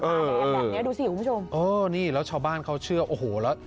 อะไรกันแบบเนี้ยดูสิคุณผู้ชมเออนี่แล้วชาวบ้านเขาเชื่อโอ้โหแล้ว